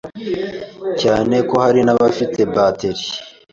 cyane ko hari n’abafite batterie